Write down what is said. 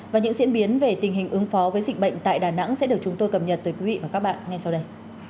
và những diễn biến về tình hình ứng phó với dịch bệnh tại đà nẵng sẽ được chúng tôi cập nhật tới quý vị và các bạn ngay sau đây